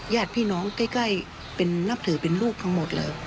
ญาติพี่น้องใกล้เป็นนับถือเป็นลูกทั้งหมดเลย